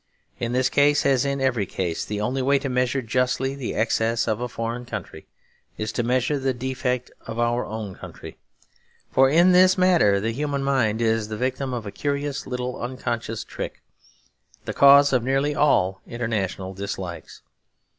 In this case, as in every case, the only way to measure justly the excess of a foreign country is to measure the defect of our own country. For in this matter the human mind is the victim of a curious little unconscious trick, the cause of nearly all international dislikes.